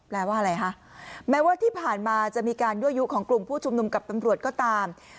แปลว่าอะไรคะแม้ว่าที่ผ่านมาจะมีการยั่วยุของกลุ่มผู้ชุมนุมกับตำรวจก็ตาม